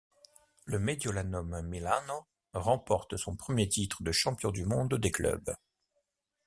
Le Mediolanum Milano remporte son premier titre de champion du monde des clubs.